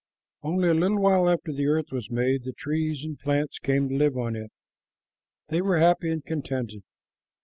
Only a little while after the earth was made, the trees and plants came to live on it. They were happy and contented.